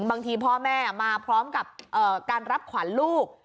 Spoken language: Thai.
พ่อแม่มาพร้อมกับการรับขวัญลูก